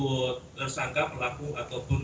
baik itu tersangka pelaku atau tidak